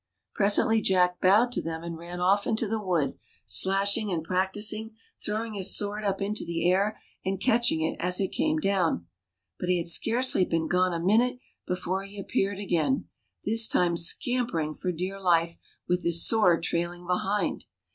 Presently Jack bowed to them and ran off into the wood, slashing and prancing, throwing his sword up into the air and catching it as it came down. But he had scarcely been gone a minute before he appeared again, this time scampering for dear life, with his sword trail ing behind.